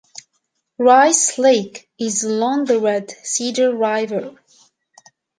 Rice Lake is along the Red Cedar River.